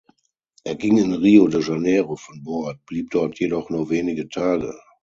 Er ging in Rio de Janeiro von Bord, blieb dort jedoch nur wenige Tage.